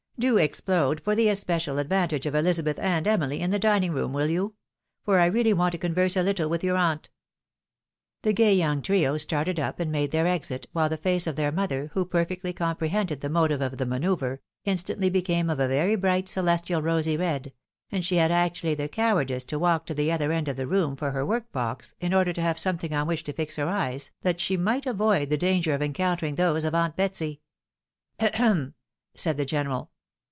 Do explode, for the especial advantage of Elizabeth and EmUy, in the dining room, will you? — ^for I reaUy want to converse a little with your aunt." The gay young trio started up, and made their exit, while the face of their mother, who perfectly comprehended the motive of the manoeuvre, instantly became of a very bright "celestial rosy red," and she had actually the cowardice to walk to the other end of the room for her work box, in order to have something on which to fix her eyes, that she might avoid the danger of encountering those of aunt Betsy. " He hem !" said the general.